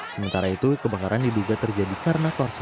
sementara itu kebakaran diduga terjadi karena korsleting listrik